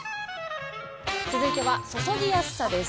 続いては注ぎやすさです。